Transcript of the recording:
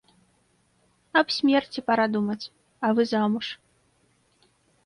Аб смерці пара думаць, а вы замуж.